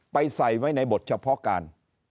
ใส่ไว้ในบทเฉพาะการ